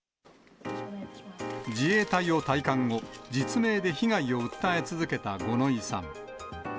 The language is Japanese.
自衛隊を退官後、実名で被害を訴え続けた五ノ井さん。